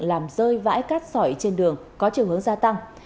làm rơi vãi cắt sỏi trên đường có trường hướng gia tăng